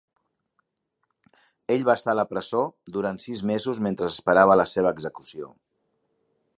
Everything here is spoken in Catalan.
Ell va estar a la presó durant sis mesos mentre esperava la seva execució.